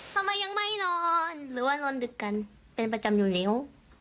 ทำไมยังไม่นอนหรือว่านอนดึกกันเป็นประจำอยู่แล้ว